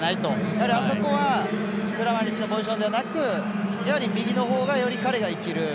やはり、あそこはクラマリッチのポジションではなく右のほうが、より彼が生きる。